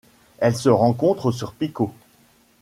Elle se rencontre sur Pico.